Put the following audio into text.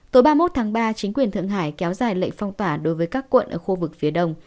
tối ba mươi một tháng ba chính quyền thượng hải kéo dài lệnh phong tỏa đối với các quận ở khu vực phía đông